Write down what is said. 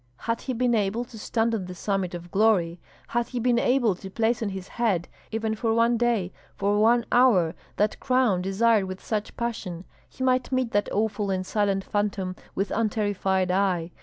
Had he been able to stand on the summit of glory, had he been able to place on his head, even for one day, for one hour, that crown desired with such passion, he might meet that awful and silent phantom with unterrified eye.